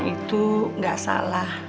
orang itu gak salah